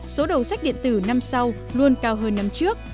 số đầu sách điện tử năm sau luôn cao hơn năm trước